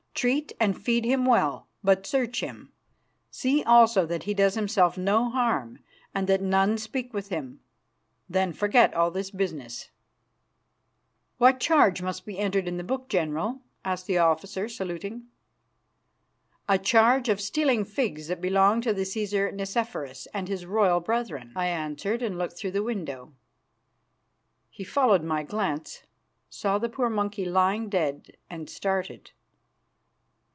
"Treat and feed him well, but search him. See also that he does himself no harm and that none speak with him. Then forget all this business." "What charge must be entered in the book, General?" asked the officer, saluting. "A charge of stealing figs that belonged to the Cæsar Nicephorus and his royal brethren," I answered, and looked through the window. He followed my glance, saw the poor monkey lying dead, and started.